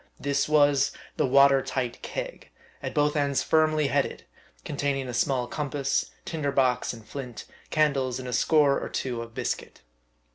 This was the water tight keg, at both ends firmly headed, containing a small compass, tinder box and flint, candles, and a score or two of biscuit.